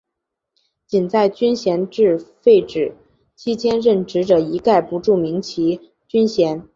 仅在军衔制废止期间任职者一概不注明其军衔。